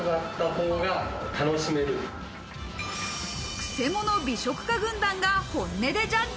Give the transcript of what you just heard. クセモノ美食家軍団が本音でジャッジ。